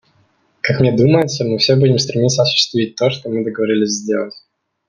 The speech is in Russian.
Как мне думается, мы все будем стремиться осуществить то, что мы договорились сделать.